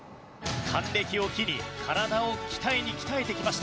還暦を機に体を鍛えに鍛えてきました。